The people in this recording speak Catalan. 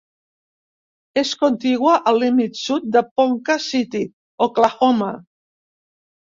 És contigua al límit sud de Ponca City, Oklahoma.